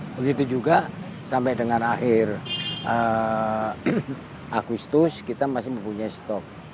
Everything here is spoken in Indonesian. begitu juga sampai dengan akhir agustus kita masih mempunyai stok